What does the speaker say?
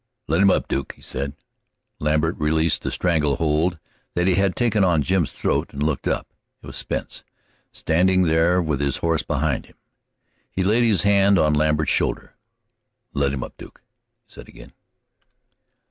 "Let him up, Duke," he said. Lambert released the strangle hold that he had taken on Jim's throat and looked up. It was Spence, standing there with his horse behind him. He laid his hand on Lambert's shoulder. "Let him up, Duke," he said again.